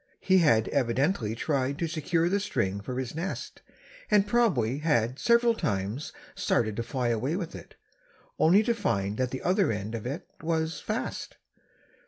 He had evidently tried to secure the string for his nest, and probably had several times started to fly away with it, only to find that the other end of it was fast.